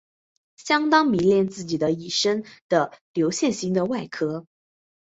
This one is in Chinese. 相当迷恋自己的一身的流线型的外壳。